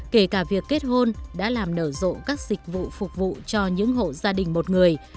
kể cả việc kết hôn đã làm nở rộ các dịch vụ phục vụ cho những hộ gia đình một người